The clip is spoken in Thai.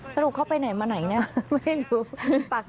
สรุปเขาไปไหนมาไหนเนี้ย